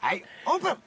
オープン。